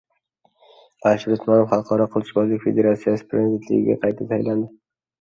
Alisher Usmonov Xalqaro qilichbozlik federatsiyasi prezidentligiga qayta saylandi